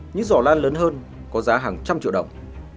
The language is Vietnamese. những giỏ lan lớn hơn có giá hàng trăm triệu đồng